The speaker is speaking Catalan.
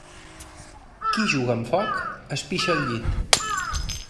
Qui juga amb foc es pixa al llit.